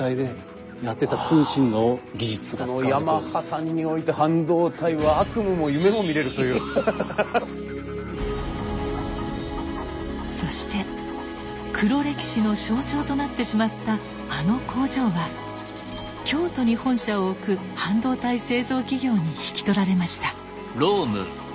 ヤマハさんにおいてそして黒歴史の象徴となってしまったあの工場は京都に本社を置く半導体製造企業に引き取られました。